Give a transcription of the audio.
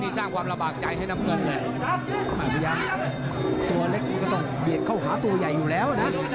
สร้างความระบากใจให้น้ำเงินพยายามตัวเล็กมันก็ต้องเบียดเข้าหาตัวใหญ่อยู่แล้วนะ